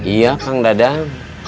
iya kakang dadang